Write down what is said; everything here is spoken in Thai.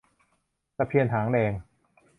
ตะเพียนหางแดง